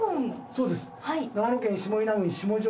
そうです。